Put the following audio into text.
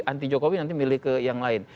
anti jokowi nanti milih ke yang lain